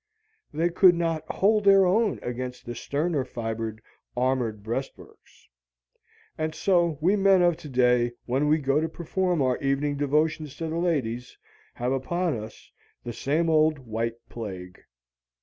They could not hold their own against the sterner fibred armored breastworks. And so we men of today when we go to perform our evening devotions to the ladies have upon us the same old white plague.